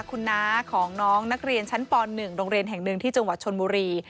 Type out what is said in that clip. คุณน้าของน้องนักเรียนชั้นป๑โรงเรียนแห่งหนึ่งที่จังหวัดชนบุรี